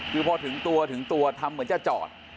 คือพอถึงตัวถึงตัวทำเหมือนจะจอด